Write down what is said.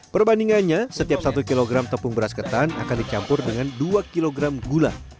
perbandingannya setiap satu kilogram tepung beras ketan akan dicampur dengan dua kg gula